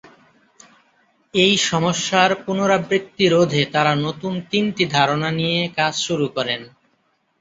এই সমস্যার পুনরাবৃত্তি রোধে তারা নতুন তিনটি ধারণা নিয়ে কাজ শুরু করেন।